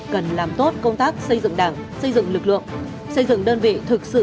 cần làm tốt công tác xây dựng đảng xây dựng lực lượng xây dựng đơn vị thực sự